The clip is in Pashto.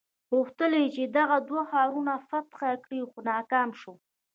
غوښتل یې دغه دوه ښارونه فتح کړي خو ناکام شو.